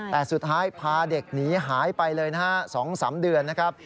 แต่สุดท้ายพาเด็กหนีหายไปเลยนะฮะ๒๓เดือนนะครับ